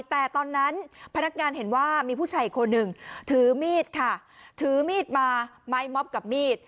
แต่ตอนนั้นพนักงานเห็นว่ามีผู้ชายอีกคนหนึ่งถือมีดค่ะถือมีดมาไม้มอบกับมีด